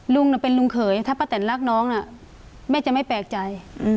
ลุงเป็นลุงเขยถ้าป้าแตนรักน้องน่ะแม่จะไม่แปลกใจ